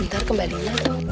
sebentar kembalinya tuh